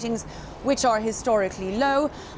yang secara historis rendah